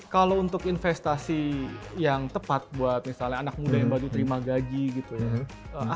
kalau untuk investasi yang tepat buat misalnya anak muda yang baru terima gaji gitu ya